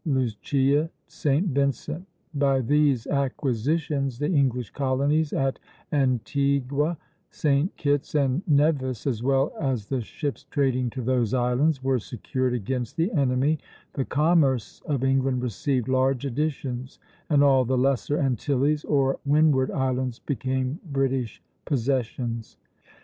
Lucia, St. Vincent. By these acquisitions the English colonies at Antigua, St. Kitts, and Nevis, as well as the ships trading to those islands, were secured against the enemy, the commerce of England received large additions, and all the Lesser Antilles, or Windward Islands, became British possessions.